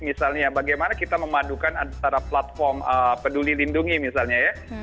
misalnya bagaimana kita memadukan antara platform peduli lindungi misalnya ya